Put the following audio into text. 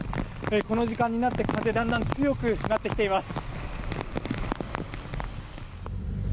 この時間になって、風だんだん強くなってきています。